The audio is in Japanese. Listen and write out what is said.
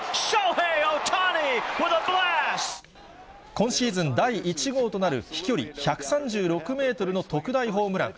今シーズン第１号となる飛距離１３６メートルの特大ホームラン。